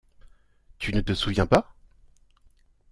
Tu ne te souviens pas?